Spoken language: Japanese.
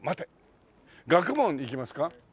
学問いきますか？